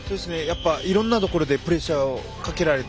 いろんなところでプレッシャーをかけられて。